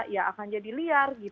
ya akan jadi liar